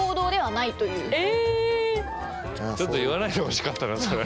ちょっと言わないでほしかったなそれは。